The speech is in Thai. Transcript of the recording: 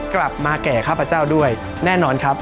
กลับมาแก่ข้าพเจ้าด้วยแน่นอนครับ